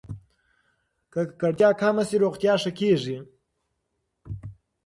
که ککړتیا کمه شي، روغتیا ښه کېږي.